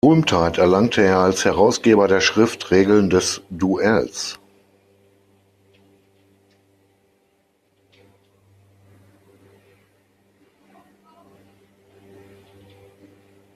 Berühmtheit erlangte er als Herausgeber der Schrift „Regeln des Duells“.